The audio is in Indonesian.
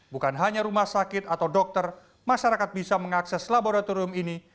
bukan hanya rumah sakit atau dokter masyarakat bisa mengakses laboratorium ini